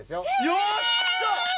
やった！